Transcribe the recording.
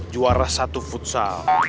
juara satu futsal